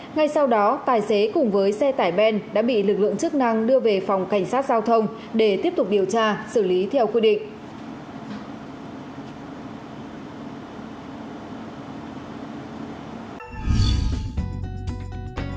ngay sau đó tài xế cùng với xe tải ben đã bị lực lượng chức năng đưa về phòng cảnh sát giao thông để tiếp tục điều tra xử lý theo quy định